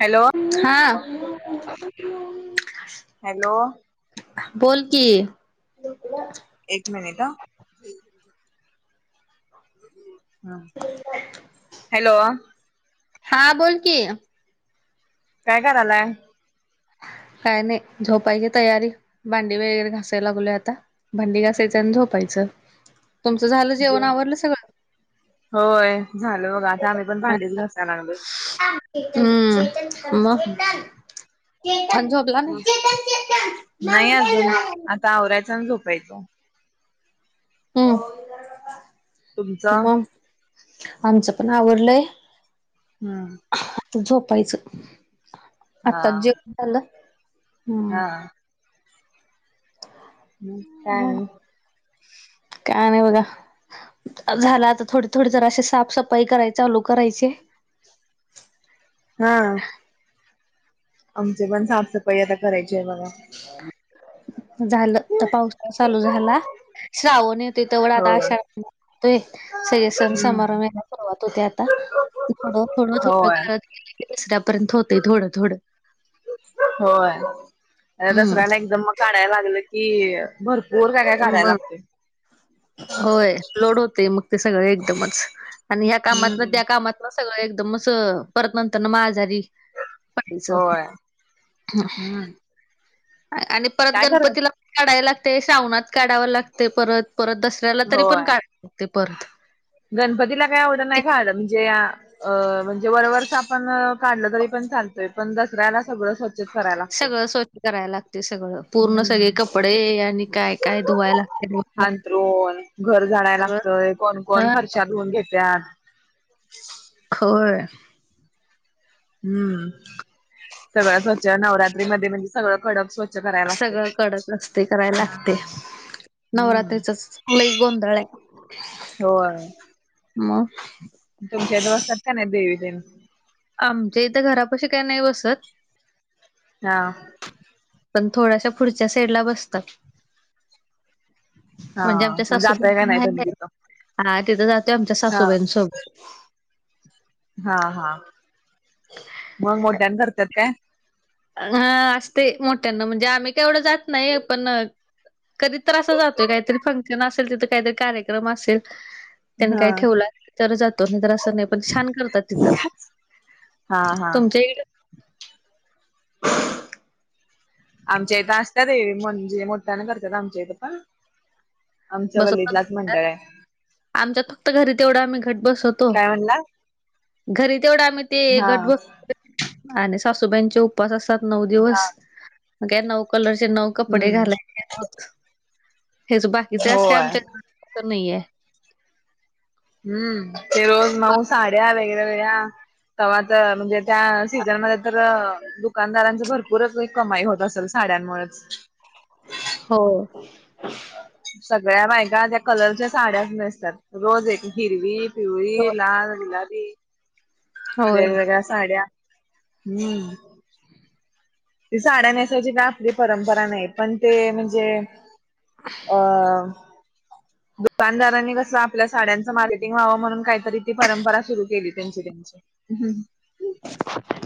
Hello. हा. Hello. बोल की. झोपल्या एक मिनिट हं. हॅलो. हा बोल की. काय करालाय. काय नाही झोपायची तयारी भांडी वगैरे घासाय लागलोय आता. भांडी घासायच आणि झोपायचं तुमचं झालं जेवण आवरलं सग होय झाल बागा आता आम्ही पण भांडीच घसाय लागलोय. हम्म. मग [unintelligible] हम्म झोप. आणला नाही. नाही अजून आता आवरायाच आणि झोपायचो. हम, तुमचं मग आमचं पण आवरलंय. हम्म. आता झोपायचं हा आताच जेवण झालं. हम्म हा. मग काय मग आणि? काय नाही बघा. झालं आता, थोडी थोडी जराशी साफसफाई करायचं चालू करायची. हा.. आमची पण साफसफाई आता करायची आहे बघा. झालं तर पावसा चालू झाला श्रावण येत ते तेवढा आता होय आषाढ सगळे सण हम्म समारंभला सुरुवात होते आता. थोडं थोडं थोडं होय करत गेली कि दुसर्यापर्यंत होतंय थोडं थोडं. होय हम्म दसऱ्याला एकदम मग काढायला लागलं की भरपूर ओर काय काय कराय मग लागते. होय. लोड होते मग ते, सगळं‌ एकदमच. आणि ह्या कामातन हम्म त्या कामातन सगळं एकदमच परत नंतरन मझारी. पाच होय हम्म [unintelligible] आणि परत काय कर गणपतीला, काढाय लागते श्रावणात. काढावं लागते परत परत दसऱ्याला तरी पण होय क [inaudible] लागते परत. गणपतीला काय येवडं, ते नाही काय म्हणजे या. अ म्हणजे वरवरचा आपण काढलं तरी पण चालतोय पण दसऱ्याला सगळं स्व सगळं स्वच्छ कराय लागते सगळं पूर्ण सगळे हम्म. कपडे आणि काय-काय धुवायला लाग हांतरुण घर झाडायला सगळं लागतंय, कोण कोण ह फरशा धून घेत्यात. खोय. हम्म सगळं स्वच्छ नवरात्रीमध्ये म्हणजे सगळं कडप स्व सगळं कडक रस्ते करायला लागते. हा. हम्म. नवरात्रीचच लई गोंधळ आहे. होय मग. तुमच्या इथं बसतात कणी देवी तेन. आमच्या इथं घरापशी काय नाही बसत? हां.. पण थोडाशा पुढच्या साईडला बसतात. हा म्हणजे आमच्या मग जाताय का नाही सासूबाई तुम्ही प तिथं? हा, तिथं जातोय आमच्या हा सासूबाईंनसोबत. हा.. हां.. मग मोठ्यानी करत्यात काय. हा असते मोठ्यांना म्हणजे, आम्ही काय येवढं जात नाही पण. कधी तर असं जातोय काहीतरी फंक्शन असेल तिथं काहीतरी कार्यक्रम असेल. त्यांनी काय हा. ठेवलं तर जातो न तर असं नाही पण छान करतात तिथं. हा हा.. तुमच्या इकडे आमच्या इथं असतात ये म्हणजे मोठ्याना करतात आमच्या इथं पण आमच्या बसवत गल्लीतलाच मंडळ आमच्यात, आहे आमच्यात फक्त घरी तेवढं आम्ही घट बसवतो. काय म्हणला? घरी तेवढं आम्ही ते हा घट ब आणि सासूबाईंचे उपवास असतात नऊ हा दिवस, मग काय नऊ कलरचे नऊ. कपडे हम्म घालायचे आहोत, हेच बाकीचं असं काय होय आमच्या घर नाहीये. हम्म. ते रोज नऊ साड्या वेगवेळ्या. तेंव्हा तर म्हणजे, त्या सीझनमध्ये तर. दुकानदारांच भरपूरच कमाई होतं असेल साड्यांमुळेच. हो. सगळ्या बायका त्या कलरच्या साड्याच नसतात रोज एक हिरवी पिवळी, लाल, गुलाबी. होय वेगवेगळ्या साड्या हम्म. ती साड्या नेसायची काय आपली परंपरा नाही. पण ते म्हणजे, अ.. दुकानदारांनी कसं. तिथल्या साड्यांचं मार्केटिंग व्हावं म्हणून, काहीतरी ती परंपरा सुरु केली त्यांची त्यांची.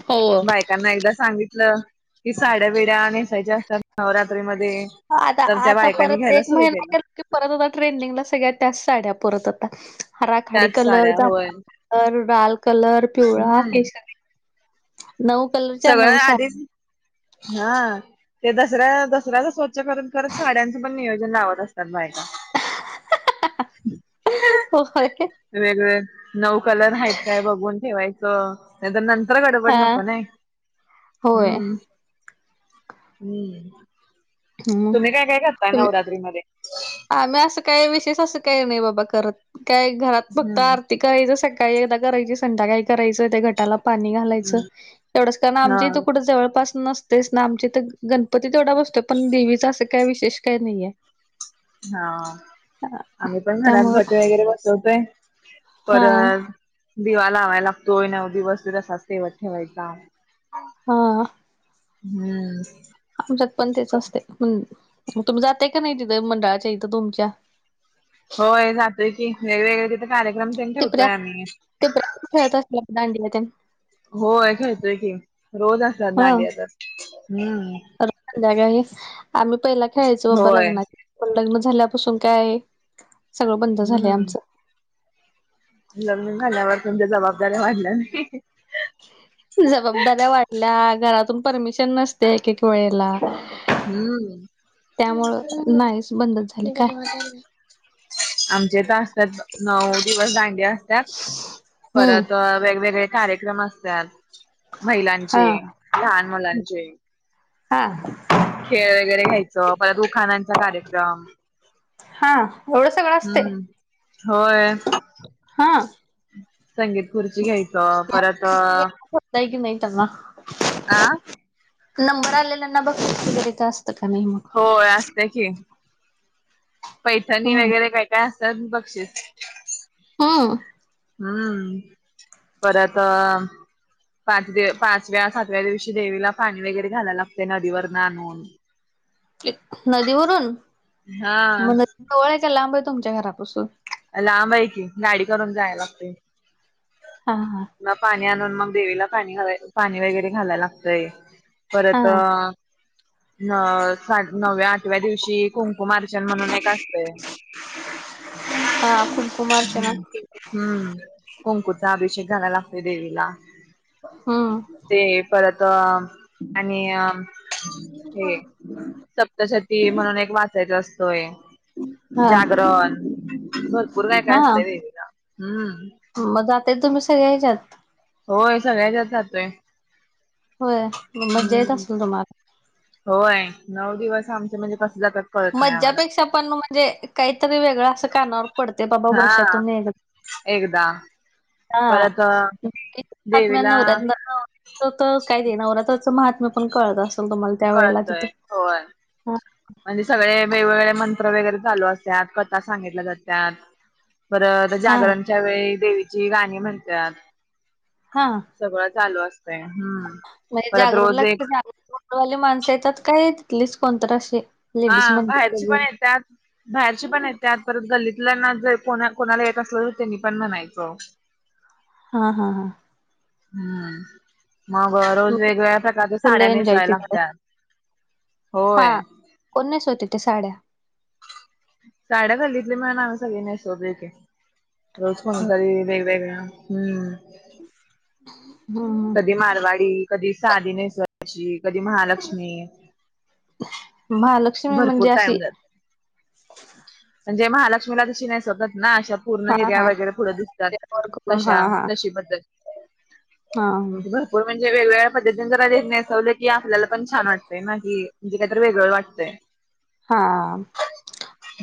हो बाय. त्यांना एकदा सांगितलं की, साड्या बीड्या नेसायच्या असतात नवरात्रीमध्ये. आता तर त्या आता, बायकांनी परत घ्यायला एक सुरू महिना केलं गेलो. की परत आता ट्रेंडिंगला सगळ्या, त्याचं साड्या परत अता. राखाडी त्याच कलर, साड्या होय जांभळा कलर, लाल कलर, पिवळा हम्म केशरी. नऊ कलर. सगळ्या आधीच हां.. ते दसऱ्या दसऱ्याच स्वच्छ करून करत साड्यांचं पण नियोजन लावत असतात बायका. [unintelligible] होय. वेगळे नऊ कलर आहेत काय बघून ठेवायचं, नाही तर नंतर गडबड हा नको नयी. होय हम्म हम्म. हम्म.. तुम्ही काय काय करताय तुम्ही नवरात्रीमध्ये? आम्ही असं काही विशेष, असं काही नाही बाबा करत. काय घरात फक्त हम्म आरती करायचं, सकाळी एकदा करायची संध्याकाळी करायचं ते घटाला. पाणी घालायचं हम्म एवढंच कारण, हा आमच्या इथं कुठं जवळपास नस तेच ना आमच्या इथं गणपती तेवढा बसतोय, पण देवीचा असं काय विशेष काही नाहीे. हां... आम्ही पण घरात त्यामुळं घट वगैरे बसवतोय. हा परत दिवा लावाय लागतोय, नऊ दिवस तसाच तेवत ठेवायचा. हा. हम्म. आमच्यात पण तेच क- असते, तुम्ही जाताय कणी तिथे मंडळाच्या इथं तुमच्या. होय जातोय की वेगवेगळे तिथे, कार्यक्रम तेन टिपऱ्या ठेवतोय आम्ही. टिपऱ्या खेळत असणार की, दांडिया तेन. होय खळतोय की, रोज असत्यात हा दांडिया तर हम्म. संध्याकाळी आम्ही पहिला खेळायचो बाबा होय लग्नाचा, पण लग्न झाल्यापासून काय. सगळं बंद झालंय आमचं. लग्नं झाल्यावर तुमच्या जबाबदाऱ्या वाढल्या नी. जबाबदाऱ्या वाढल्या, घरातून परमिशन नसते एक एक वेळेला. हम्म. त्यामुळं नाहीच बंदच झाले काय. आमच्या इथं असत्यात, नऊ दिवस दांड्या अस त्यात हम्म परत वेगवेगळे कार्यक्रम असत्यात. हा महिलांचे लहान मुलांचे. हा. खेळ वगैरे घ्यायचं, परत उख्यानांचा कार्यक्रम. हा, एवढं सगळं असतंय? हम्म होय हा. संगीत खुर्ची घ्यायचं परत. [unintelligible] नाही तेना. आ.. नंबर आलेल्यांना बक्षीस [unintelligible] होय असतंय की. पैठणी हम्म वगैरे काय, काय असत्यात बक्षीस. हं.. हम्म परत. पाच पाचव्या सातव्या दिवशी देवीला पाणी वगैरे, घालायला लागते नदीवरन आणून. नदीवरून हा मग नदी जवळ आहे, काय लांब आहे तुमच्या घरापासून. लांब आहे की, गाडी करून जाय लागते. हा हा. मग पाणी आणून मग देवीला पाणी घा, पाणी वगैरे घालायला लागतंय. हा परत अ.. न साठ नवव्या आठव्या दिवशी. कुंमकुंम आर्चन म्हणून एक असतंय. हा [unintelligible] हम्म हम्म. कुंकुचा अभिषेक घालायला लागतोय देवीला. हम्म ते परत अ आणि अ हे सप तशे ती म्हणून एक वाचायच असतोय, हा जागरण. भरपूर काय काय हा असतं देवीला. हम्म... मग जाताय तुम्ही सगळ्यां हेजात. होय सगळ्या याच्यात जातोय. होय, मग मज्जा येत हम्म. असलं तुम्हाला? होय. नऊ दिवस आमचे म्हणजे कस जात्यात मज्जापेक्षा पण म्हणजे काहीतरी वेगळं असं कानावर पडते बाबा हा. वर्षातून एक एकदा हा. परत [unintelligible] देवीला तर काय ते नवरात्रच महात्म्य पण कळत असेल तुम्हाला त्या वेळेला तिथं. हा. आणि सगळे वेगवेगळे मंत्र वगैरे चालू असत्यात, कथा सांगितल्या जात्यात. परत हा जागरणच्या वेळी देवीची गाणी म्हणत्यात. हा. सगळं चालू असतंय हं. म्हणजे जागरणला [unintelligible] जागरण गोंधळवाली माणसं येतात काय, तिथलीच कोणतरी अशी हा लेडीज बाहेरची म्हणतात पण येत्यात. बाहेरची पण येत्यात. परत गल्लीतल्यांना जे कोणा-कोणाला येत असलं, तर त्यांनी पण म्हणायचं. हा हा हा हम्म. मग रोज वेगवेगळ्या प्रकारच्या फुल साड्या एन्जॉय नेसवाय केला लागत्यात, हा होय. कोण नेसवतेत त्या साड्या? साड्या गल्लीतली मिळून आम्ही सगळी नेसवलीवती. रोज कोणीतरी वेगवेगळ्या हम्म. [inaudible] हम्म कधी माारवाडी, कधी साधी नेसवायची, कधी महालक्ष्मी. मालक भरपूर टाईम जात. म्हणजे महालक्ष्मीला जशी नेसवतात ना अशा पूर्ण हा निऱ्या हा वगैरे पुढं दिसतात, त्यावर करून हा तशा हा तशी पद्धत. हा भरपूर म्हणजे वेगवेगळ्या पद्धतीने जरा नेसवलं की आपल्याला पण छान वाटतंय ना. की म्हणजे काहीत वेगळ वाटतंय. हा,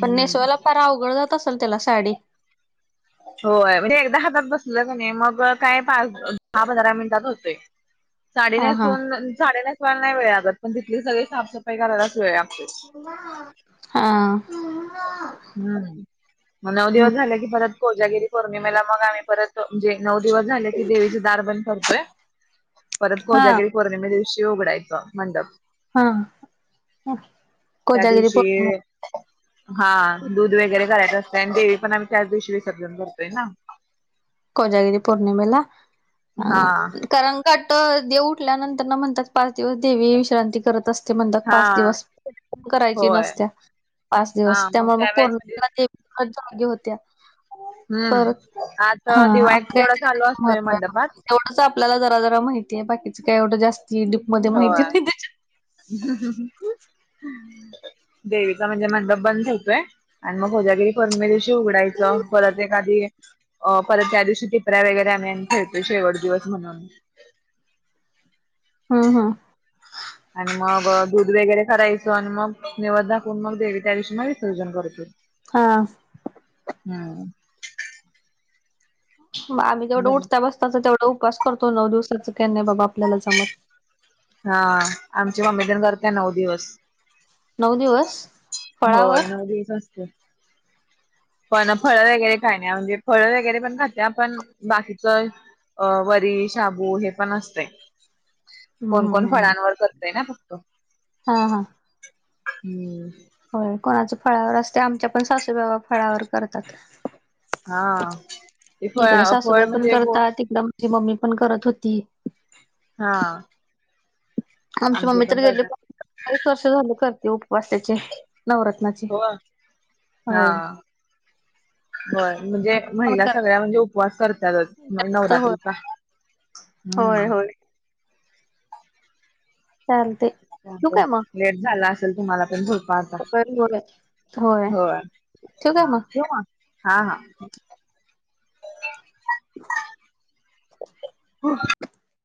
पण नेसवाला फार अवघड जात असेल त्याला साडी. होय. म्हणजे एकदा हातात बसलं कनई, मग काय पाच दहा पंधरा मिनिटात होतंय. [inaudible] साडी हा हा नेसवुन साडी नेसवायला नाही वेळ लागत. पण तिथली सगळी साफसफाई करायलाच वेळ लागतोय. हा. हम्म. मग नऊ दिवस झाले की, परत कोजागिरी पौर्णिमेला मग आम्ही परत म्हणजे नऊ दिवस झाले की देवीच दार बंद करतोय. परत हा कोजागिरी पौर्णिमे दिवशी उघडायचं मंडप. हा. त्या कोजागिरी दिवशी पोर्णी हा दूध वगैरे करायचं असतंय आणि देवी पण आम्ही त्याच दिवशी विसर्जन करतोय ना. कोजागिरी पौर्णिमेला अ हा कारण कट देव उठल्यानंतर ना म्हणतात पाच दिवस देवी विश्रांती करत अस ते म्हणतात हा पाच दिवस [unintelligible] करायची होय नसत्या पाच हा दिवस. त्यामुळे मग त्यावेेळेस म्हणजे पौर्णिमा ते [unintelligible] जागे होत्या. परत हम्म. आत हा दिवाळीत असं तेवढा काहीतरी चालू त्याच असतोय महत्व आहे मंडपात. बघ तेवढंच आपल्याला जरा जरा माहितीये. बाकीचं काय एवढं जास्ती डिपमध्ये माहिती होय. नाही त्याच्यात. देवीचा म्हणजे मंडप बंद होतोय. आणि मग कोजागिरी पौर्णिमे दिवशी उघडायचं. परत एखादी अ परत त्या दिवशी टिपऱ्या वगैरे आम्ही आणि खेळतोय शेवट दिवस म्हणून. हम्म हम्म. आणि मग दूध वगैरे करायचं आणि मग नैवेद्य दाखवून मग देवी त्यादिवशी मग विसर्जन करतो. हा. हम्म. आम्ही तेवढं उठता बसताच तेवढा उपास करतो नऊ दिवसाचं काही नाही बाबा आपल्याला जमत. हा आमची मम्मी तेन करते नऊ दिवस. नऊ दिवस, फळावर? आदिच असत्या. पण फळं वगैरे काय नाय म्हणजे फळ वगैरे पण खाते आपण बाकीचा अ वरी, शाबू हे पण असतय. हम्म हम्म कोण-कोण हम्म हम्म फळांवर करतय ना फक्तो. हा हा. हम्म. होय कोणाचा फळावर असते आमच्या पण सासूबाई व फळावर करतात. हा ते इकडं फळ फळ सासूबाई पण म्हणजे गो करतात, तिकडं आमचे मम्मी पण करत होती. हा. आमची आमचे मम्मी तर पण गेले करतात [inaudible] वर्ष झाले करते उपवासाचे त्याचे. नवरत्नाची हो हा होय. होय म्हणजे आपण पण महिला सगळ्या करते म्हणजे उपवास करत्यातच म्हणे जास्त होय नवरात्रीचा. होय हम्म. होय चालते. ठेवू चालतंय काय मग लेट झाला असेल तुम्हाला पण झोपा आ ता होय होय होय काय मग ठेवू म हा हा. [unintelligible] हो.